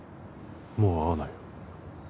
もう会わないよ